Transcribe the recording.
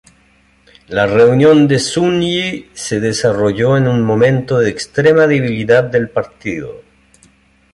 La Reunión de Zunyi se desarrolló en un momento de extrema debilidad del partido.